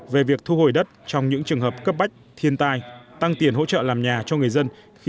về việc thu hồi đất trong những trường hợp cấp bách thiên tai tăng tiền hỗ trợ làm nhà cho người dân